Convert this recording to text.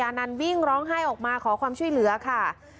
นันวิ่งร้องไห้ออกมาขอความช่วยเหลือค่ะ